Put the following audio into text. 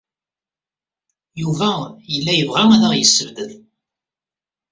Yuba yella yebɣa ad aɣ-yessebded.